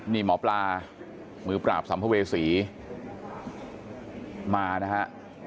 นี่หมอปลามือปราบสัมภเวษีมานะฮะ